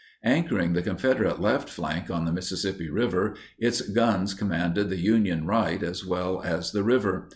Anchoring the Confederate left flank on the Mississippi River, its guns commanded the Union right as well as the river.